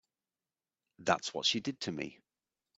That's what she did to me.